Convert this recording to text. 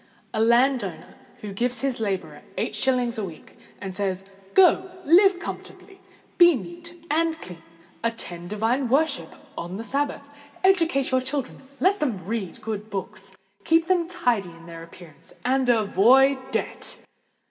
A landowner gives his labourer eight shillings a week, and says, "Go and live comfortably—be neat and clean—attend divine worship on the Sabbath—educate your children—let them read good books—keep them tidy in their appearance—and avoid debt!"